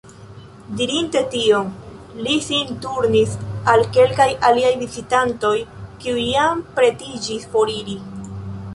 Dirinte tion, li sin turnis al kelkaj aliaj vizitantoj, kiuj jam pretiĝis foriri.